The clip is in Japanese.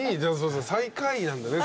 最下位なんでね